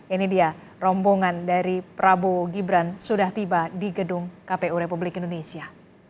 ini dia rombongan dari prabowo gibran sudah tiba di gedung kpu republik indonesia